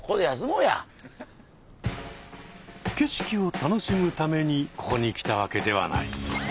景色を楽しむためにここに来たわけではない。